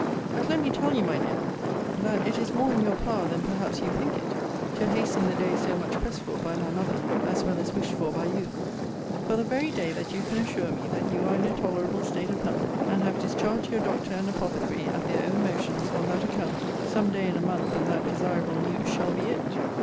But let me tell you, my dear, that it is more in your power than, perhaps, you think it, to hasten the day so much pressed for by my mother, as well as wished for by you for the very day that you can assure me that you are in a tolerable state of health, and have discharged your doctor and apothecary, at their own motions, on that account some day in a month from that desirable news shall be it.